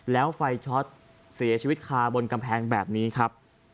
แล้วไฟช็อตเสียชีวิตคาบนกำแพงแบบนี้ครับ